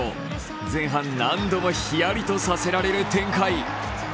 前半何度もヒヤリとさせられる展開。